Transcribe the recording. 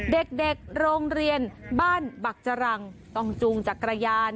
เด็กโรงเรียนบ้านบักจรังต้องจูงจักรยาน